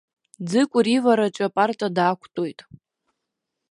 Ӡыкәыр ивараҿы апарта даақәтәоит!